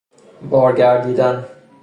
بار گردیدن